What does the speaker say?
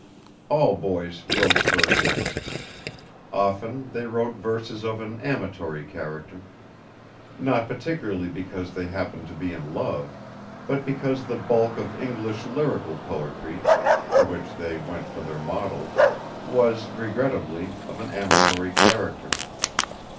All boys wrote verses. Often they wrote verses of an amatory character, not particularly because they happened to be in love, but because the bulk of English lyrical poetry, to which they went for their models, was, regrettably, of an amatory character.